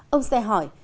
ông sẽ hỏi